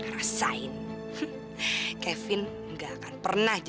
sebelum kamu bisa mandiri